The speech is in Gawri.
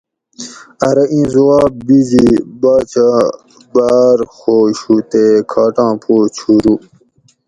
ارو ایں زواب بیجی باچہ باۤر خوش ہو تے کھاٹاں پو چھورُو